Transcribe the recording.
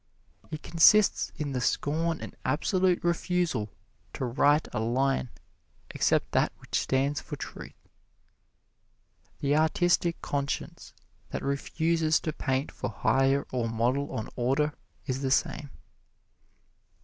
It consists in the scorn and absolute refusal to write a line except that which stands for truth. The artistic conscience that refuses to paint for hire or model on order is the same.